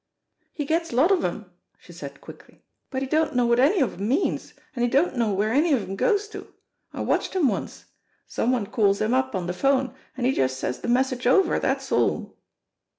"He gets lot of 'em," she said quickly ; "but he don't know wot any of 'em means, an' he don't know where any of 'em goes to. I watched him once. Some one calls him up on de phone, an' he just says de message over, dat's all."